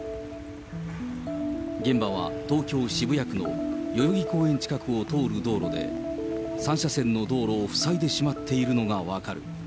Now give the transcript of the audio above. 現場は東京・渋谷区の代々木公園近くを通る道路で、３車線の道路を塞いでしまっているのが分かる。